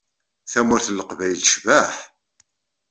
Tamurt n Leqbayel tecbeḥ.